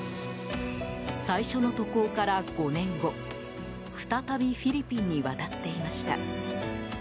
最初の渡航から５年後再びフィリピンに渡っていました。